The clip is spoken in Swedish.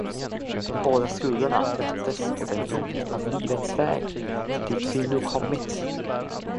De båda skuggorna möttes på den punkt av livets väg, dit vi nu kommit.